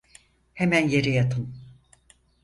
Hemen yere yatın!